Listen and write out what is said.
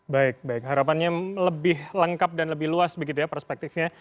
baik baik harapannya lebih lengkap dan lebih luas begitu ya perspektifnya